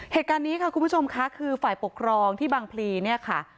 เหตุการณ์นี้ค่ะคุณผู้ชมค่ะคือฝ่ายปกครองที่บางพลีเนี่ยค่ะ